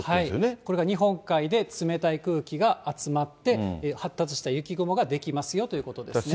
これが日本海で冷たい空気が集まって、発達した雪雲が出来ますよということですね。